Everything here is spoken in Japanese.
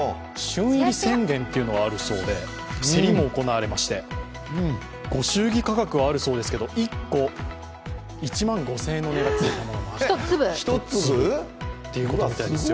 旬入り宣言というのがあるそうで、競りも行われましてご祝儀価格はあるそうですけれども、１個１万５０００円の値がついたということみたいです。